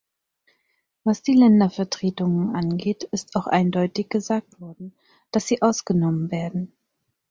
Was die Ländervertretungen angeht, ist auch eindeutig gesagt worden, dass sie ausgenommen werden.